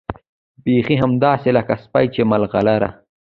بيخي همداسې لکه سيپۍ چې ملغلره